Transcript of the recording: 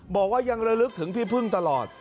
บอกว่ายังระลึกถึงพี่พึ่งตลอด